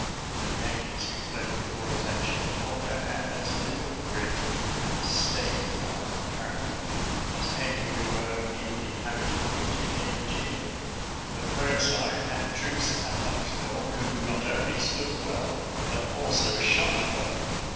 The Yankees who fled before us at Ohickamauga had as little grit and staying power, apparently, as any we were in the habit of meeting in Virginia ; but Burnside had troops at Knoxville who not only stood well, but also shot well.